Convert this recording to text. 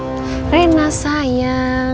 terima kasih mas peswara